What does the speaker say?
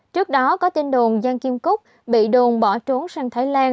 trước đó có tin đồn giang kim cúc bị đồn bỏ trốn sang thái lan